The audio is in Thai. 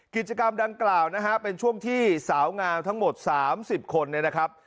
กิจกรรมดังกล่าวนะฮะเป็นช่วงที่สาวงามทั้งหมด๓๐คนเนี่ยนะครับ